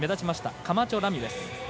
カマチョラミレス。